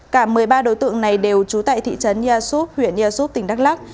cả một mươi ba đối tượng này đều trú tại thị trấn yà súp huyện yà súp tỉnh đắk lắc